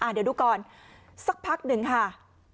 เดี๋ยวดูก่อนสักพักหนึ่งค่ะ